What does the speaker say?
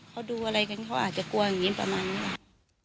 เขาดูอะไรกันเขาอาจจะกลัวอย่างนี้ประมาณนี้ค่ะ